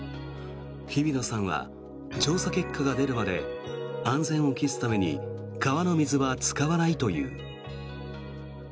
日比野さんは調査結果が出るまで安全を期すために川の水は使わないという。